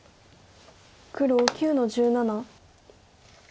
黒９の十七。